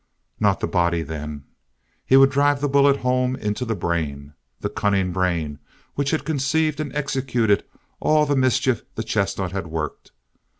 Not the body, then. He would drive the bullet home into the brain, the cunning brain which had conceived and executed all the mischief the chestnut had worked.